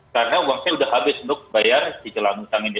karena uang saya sudah habis untuk bayar cicilan utang ini